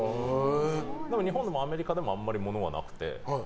日本にもアメリカでもあんまり物はなくて。